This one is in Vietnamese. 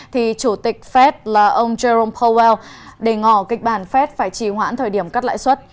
thì chủ tịch fed là ông jerome powell đề ngỏ kịch bản phép phải trì hoãn thời điểm cắt lãi suất